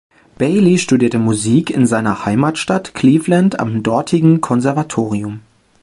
Bailey studierte Musik in seiner Heimatstadt Cleveland am dortigen Konservatorium.